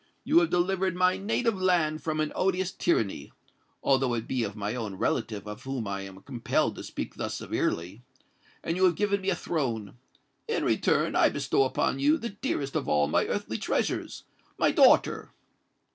You have delivered my native land from an odious tyranny—although it be of my own relative of whom I am compelled to speak thus severely; and you have given me a throne. In return I bestow upon you the dearest of all my earthly treasures—my daughter!"